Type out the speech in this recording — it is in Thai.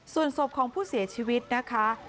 ส่วนศพพูดเสียชีวิตนะคะ